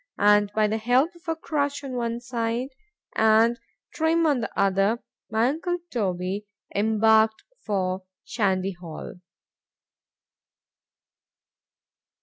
and by the help of a crutch on one side, and Trim on the other,——my uncle Toby embarked for _Shandy Hall.